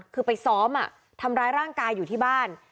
คือไปซ้อมทำร้ายร่างกายอยู่ที่บ้าน